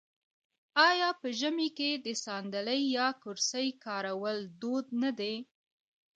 آیا په ژمي کې د ساندلۍ یا کرسۍ کارول دود نه دی؟